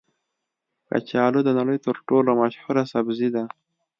کچالو د نړۍ تر ټولو مشهوره سبزي ده